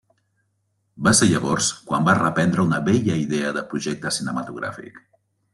Va ser llavors quan va reprendre una vella idea de projecte cinematogràfic.